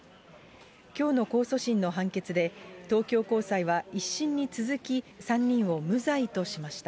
きょうの控訴審の判決で、東京高裁は１審に続き、３人を無罪としました。